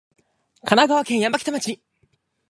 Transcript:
神奈川県山北町